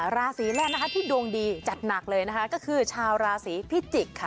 ราศีแรกนะคะที่ดวงดีจัดหนักเลยนะคะก็คือชาวราศีพิจิกค่ะ